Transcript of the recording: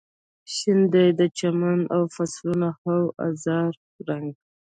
شین دی د چمن او فصلونو او زهرا رنګ